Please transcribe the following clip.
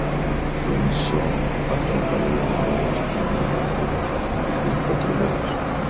Organizó a trabajadores mineros, madereros y petroleros.